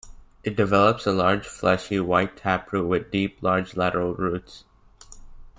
It develops a large, fleshy, white taproot with deep large lateral roots.